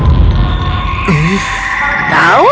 ada satu syarat